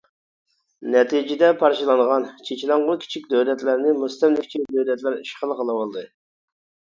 نەتىجىدە پارچىلانغان، چېچىلاڭغۇ كىچىك دۆلەتلەرنى مۇستەملىكىچى دۆلەتلەر ئىشغال قىلىۋالدى.